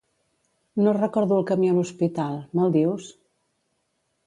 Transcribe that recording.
No recordo el camí a l'hospital, me'l dius?